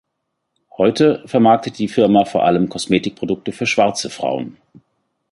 Heute vermarktet die Firma vor allem Kosmetikprodukte für schwarze Frauen.